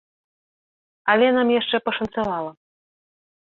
Але нам яшчэ пашанцавала.